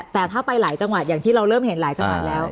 แต่ถ้าไปหลายจังหวัดอย่างที่เราเริ่มเห็นหลายจังหวัดแล้ว